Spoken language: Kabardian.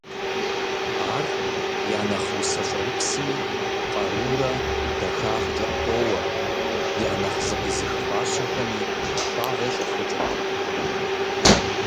Ар я нэхъ усэ «щӀэрыпсми» къарурэ дахагъкӀэ поуэ, я нэхъ «зыкъизых» фащэхэми фагъуэ щӀэхъукӀыркъым.